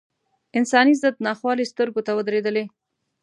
انساني ضد ناخوالې سترګو ته ودرېدلې.